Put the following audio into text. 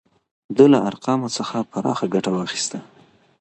ده له ارقامو څخه پراخه ګټه واخیسته.